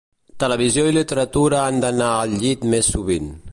Televisió i literatura han d'anar al llit més sovint.